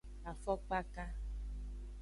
Afokpaka.